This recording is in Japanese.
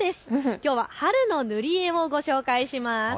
きょうは春の塗り絵をご紹介します。